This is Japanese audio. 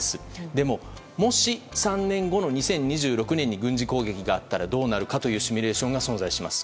でも、もし３年後の２０２６年に軍事攻撃があったらどうなるかというシミュレーションが存在します。